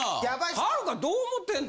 はるかどう思ってんの？